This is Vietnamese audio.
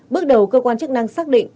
bước đầu cơ quan chức năng xác định